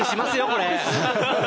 これ。